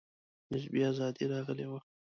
نسبي آزادي راغلې وه.